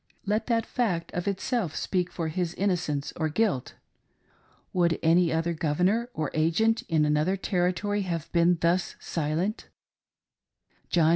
Let that fact of itself speak for his innocence or guilt. Would any other governor or agent in another Ter ritory have been thus silent } John D.